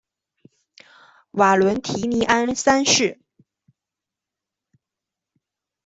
瓦伦提尼安三世。